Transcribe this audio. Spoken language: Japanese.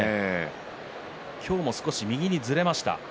今日も少し右にずれました。